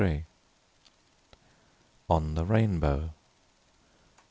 ON THE RAINBOW.